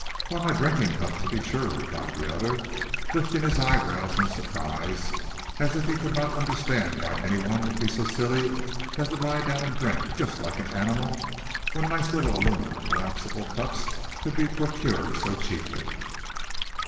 "Why, my drinking cup, to be sure," replied the other, lifting his eyebrows in surprise, as if he could not understand why any one would be so silly as to lie down and drink just like an animal, when nice little aluminum collapsible cups could be procured so cheaply.